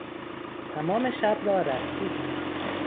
تمام شب را رقصیدیم.